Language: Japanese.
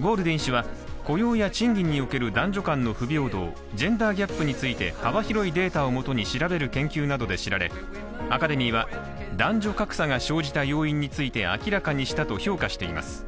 ゴールディン氏は、雇用や賃金における男女間の不平等、ジェンダーギャップについて幅広いデータをもとに調べる研究などで知られアカデミーは男女格差が生じた要因について明らかにしたと評価しています。